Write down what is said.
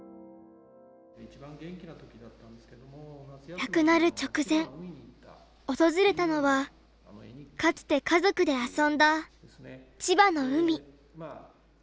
亡くなる直前訪れたのはかつて家族で遊んだ千葉の海。